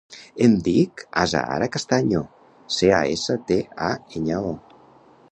Em dic Azahara Castaño: ce, a, essa, te, a, enya, o.